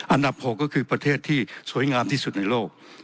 อันดับ๖ก็คือประเทศที่สวยงามที่สุดในโลก